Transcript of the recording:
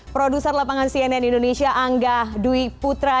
produser lapangan cnn indonesia angga dwi putra